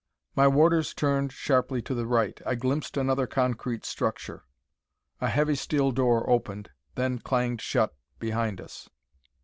My warders turned sharply to the right. I glimpsed another concrete structure. A heavy steel door opened, then clanged shut, behind us.